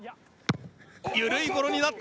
緩いゴロになった。